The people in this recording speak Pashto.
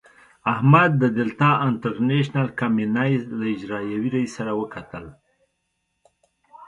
احمد د دلتا انټرنشنل کمينۍ له اجرائیوي رئیس سره وکتل.